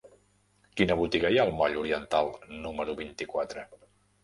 Quina botiga hi ha al moll Oriental número vint-i-quatre?